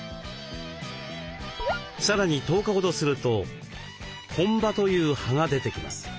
さらに１０日ほどすると本葉という葉が出てきます。